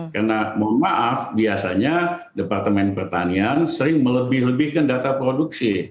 karena mohon maaf biasanya departemen pertanian sering melebih lebihkan data produksi